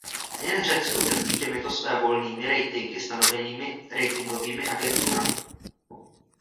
Nejen Řecko trpí těmito svévolnými ratingy stanovenými ratingovými agenturami.